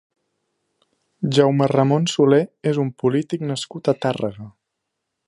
Jaume Ramon Solé és un polític nascut a Tàrrega.